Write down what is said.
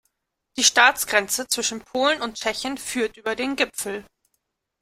Die Staatsgrenze zwischen Polen und Tschechien führt über den Gipfel.